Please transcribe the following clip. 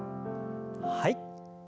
はい。